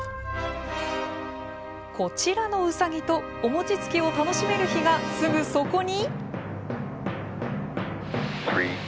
こちらのうさぎとお餅つきを楽しめる日がすぐそこに。